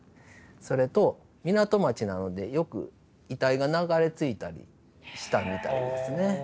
それと港町なのでよく遺体が流れ着いたりしたみたいですね。